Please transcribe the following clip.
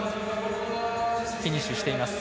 フィニッシュしています。